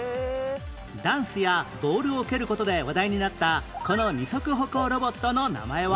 ダンスやボールを蹴る事で話題になったこの二足歩行ロボットの名前は？